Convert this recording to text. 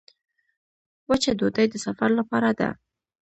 وچه ډوډۍ د سفر لپاره ده.